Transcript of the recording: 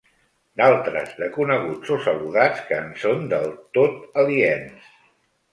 D'altres, de coneguts o saludats que en són del tot aliens.